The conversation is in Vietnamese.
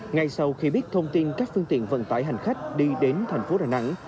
ngay sau khi biết thông tin các phương tiện vận tải hành khách đi đến thành phố đà nẵng